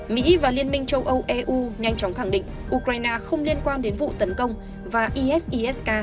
mỹ và liên minh châu âu eu nhanh chóng khẳng định ukraine không liên quan đến vụ tấn công và isisk